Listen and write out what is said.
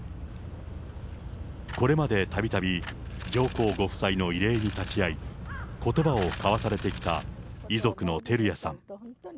これまでたびたび、上皇ご夫妻の慰霊に立ち会い、ことばを交わされてきた遺族の照屋さん。